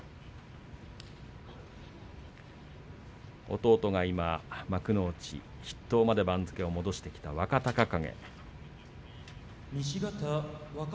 弟が今、幕内筆頭まで番付を戻してきた若隆景。